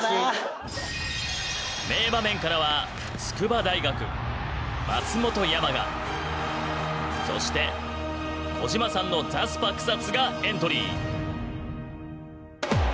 名場面からは筑波大学松本山雅そして小島さんのザスパ草津がエントリー！